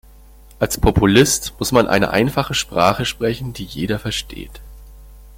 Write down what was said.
Als Populist muss man eine einfache Sprache sprechen, die jeder versteht.